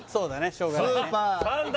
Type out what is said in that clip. しょうがないね